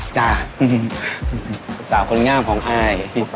จ้าสาวคนงามของไอ